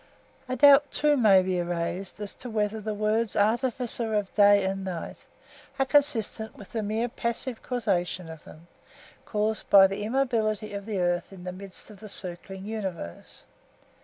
A doubt (2) may also be raised as to whether the words 'artificer of day and night' are consistent with the mere passive causation of them, produced by the immobility of the earth in the midst of the circling universe.